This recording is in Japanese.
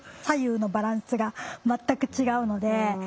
左右のバランスが全く違うので。